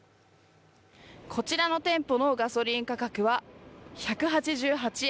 こちらの店舗のガソリン価格は１８８円。